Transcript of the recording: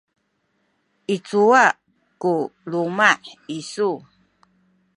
i cuwa ku luma’ isu?